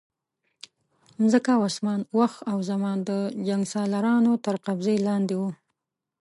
مځکه او اسمان، وخت او زمان د جنګسالارانو تر قبضې لاندې وو.